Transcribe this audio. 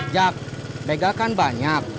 jak begal kan banyak